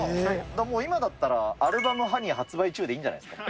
だから今だったら、アルバムＨｏｎｅｙ発売中でいいんじゃないですか。